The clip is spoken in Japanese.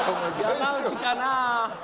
山内かなぁ？